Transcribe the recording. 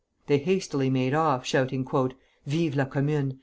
They hastily made off, shouting, "Vive la Commune!